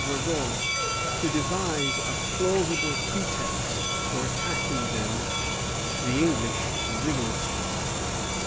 Vergor to devise a plausible pretext for attacking them [the English] vigorously."